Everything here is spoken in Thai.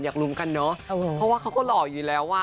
เพราะว่าเขาก็หล่ออยู่แล้ว